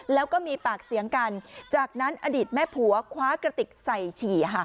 แล้วก็มีปากเสียงกันจากนั้นอดีตแม่ผัวคว้ากระติกใส่ฉี่